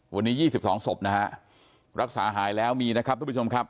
วันนี้๒๒ศพนะฮะรักษาหายแล้วมีนะครับทุกผู้ชมครับ